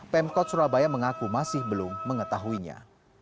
pemkot surabaya mengaku masih belum mengetahuinya